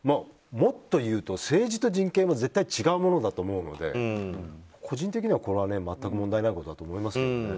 もっと言うと政治と人権は絶対違うものだと思うので個人的には全く問題ないことだと思いますけどね。